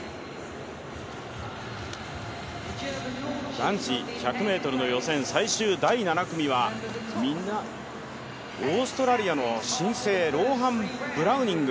男子１００ｍの予選最終第７組はオーストラリアの新生、ローハン・ブラウニング。